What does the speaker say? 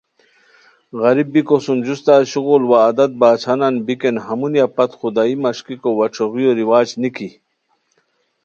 غریب بیکو سُم جوستہ شغل وا عادت بادشاہانن بیکین ہمونیہ پت خدائیی مݰکیکو وا ݯھوغیو رواج نِکی